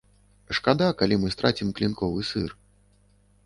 Шкада, калі мы страцім клінковы сыр.